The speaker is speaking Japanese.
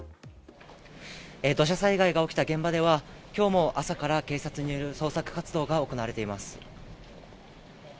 土砂災害が起きた現場では、きょうも朝から警察による捜索活動が行われています。